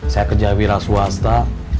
saya kerja wira swasta